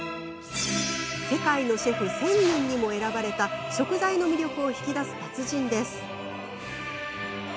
世界のシェフ１０００人にも選ばれた食材の魅力を引き出す達人です。